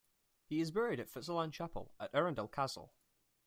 He is buried in Fitzalan Chapel at Arundel Castle.